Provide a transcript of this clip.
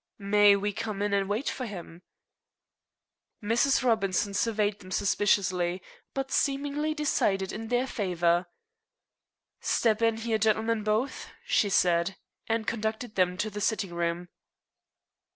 "May we come in and wait for him?" Mrs. Robinson surveyed them suspiciously, but seemingly decided in their favor. "Stip in here, gintlemen both," she said, and conducted them to the sitting room.